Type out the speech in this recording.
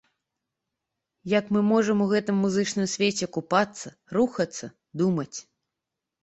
Як мы можам у гэтым музычным свеце купацца, рухацца, думаць.